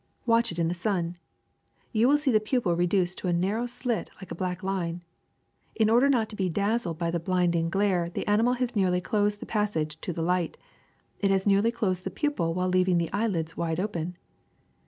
Watch it in the sun. You will see the pupil reduced to a narrow slit like a black line. In order not to be daz zled by the blinding glare, the animal has nearly closed the passage to the light; it has nearly closed the pupil while leaving the eyelids wide open.